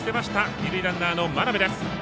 二塁ランナーの眞邉です。